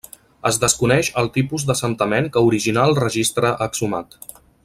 Es desconeix el tipus d'assentament que originà el registre exhumat.